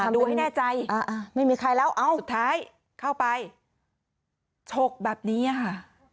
ดูให้แน่ใจสุดท้ายเข้าไปชกแบบนี้ฮะ